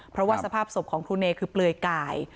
เพราะว่าสภาพศพของครูเนคือเปลือยกาย